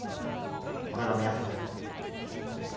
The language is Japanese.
俺が見張っとくよ。